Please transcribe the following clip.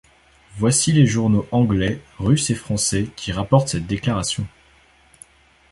Voici les journaux anglais, russes et français qui rapportent cette déclaration!